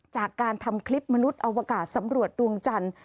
จากการทำคลิปมนุษย์อวกาศสำรวจดวงจันทร์